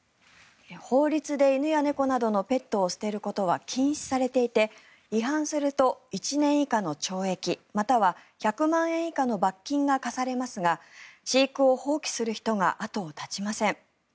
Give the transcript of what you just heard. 法律で犬や猫などのペットを捨てることは禁止されていて違反すると１年以下の懲役または１００万円以下の罰金が科されますが飼育を放棄する人が後を絶ちません。